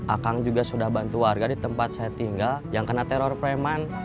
akang juga sudah bantu warga di tempat saya tinggal yang kena teror preman